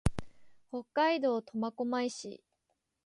北海道苫小牧市